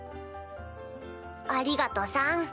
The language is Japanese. ありがとさん。